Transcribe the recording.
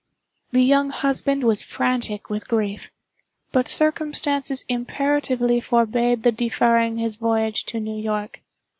The young husband was frantic with grief—but circumstances imperatively forbade the deferring his voyage to New York.